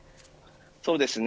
そうですね。